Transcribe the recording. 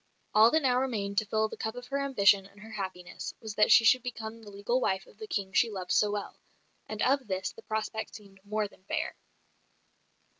All that now remained to fill the cup of her ambition and her happiness was that she should become the legal wife of the King she loved so well; and of this the prospect seemed more than fair.